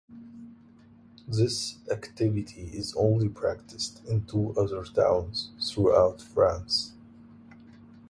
This activity is only practiced in two other towns throughout France.